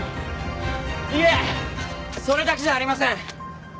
いえそれだけじゃありません！